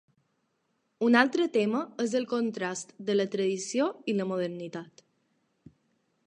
Un altre tema és el contrast de la tradició i la modernitat.